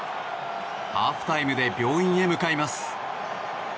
ハーフタイムで病院へ向かいます。